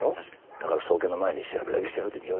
だから送検の前に調べるだけ調べてみようよ。